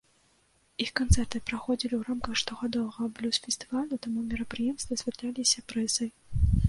Іх канцэрты праходзілі ў рамках штогадовага блюз-фестывалю, таму мерапрыемствы асвятляліся прэсай.